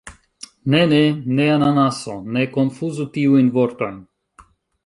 Ne ne. Ne ananaso. Ne konfuzu tiujn vortojn.